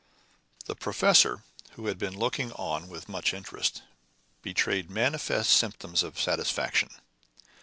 The professor, who had been looking on with much interest, betrayed manifest symptoms of satisfaction.